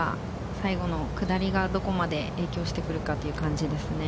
最後の下りがどこまで影響してくるかという感じですね。